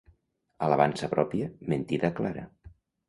Alabança pròpia, mentida clara.